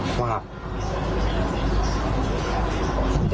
โทรศัพท์